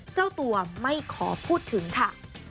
เจ้าตัวไม่ขอพูดถึงค่ะ